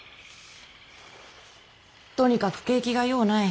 とにかく景気がようない。